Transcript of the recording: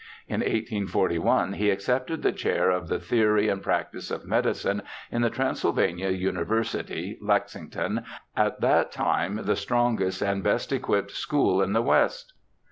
In 1841 he accepted the chair of the theory and practice of medicine in the Transylvania University, Lexington, at that time the strongest and best equipped school in the West.